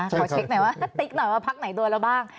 ขอเช็คหน่อยว่าถ้าติ๊กหน่อยว่าพักไหนโดนเราบ้าง